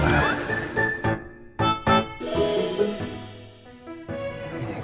jodoh sama istri kamu sendiri